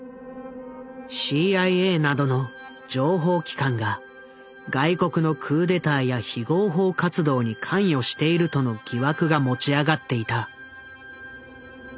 ＣＩＡなどの情報機関が外国のクーデターや非合法活動に関与しているとの疑惑が持ち上がっていた。